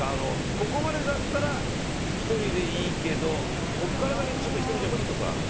ここまでだったらひとりでいいけどこっから先ちょっとひとりじゃ無理とか。